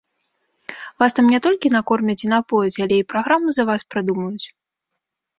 Вас там не толькі накормяць і напояць, але і праграму за вас прадумаюць.